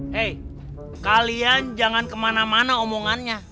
hei kalian jangan kemana mana omongannya